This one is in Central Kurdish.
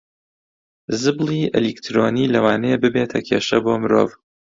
زبڵی ئەلیکترۆنی لەوانەیە ببێتە کێشە بۆ مرۆڤ